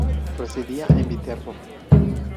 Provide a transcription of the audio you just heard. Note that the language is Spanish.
Residía en Viterbo.